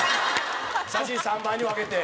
写真３枚に分けて。